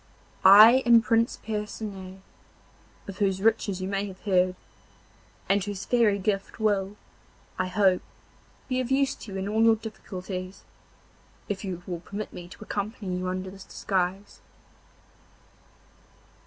I am Prince Percinet, of whose riches you may have heard, and whose fairy gift will, I hope, be of use to you in all your difficulties, if you will permit me to accompany you under this disguise.